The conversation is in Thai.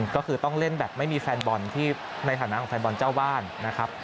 ก็คือต้องเล่นแบบไม่มีแฟนบอลที่ในฐานะของแฟนบอลเจ้าบ้านนะครับ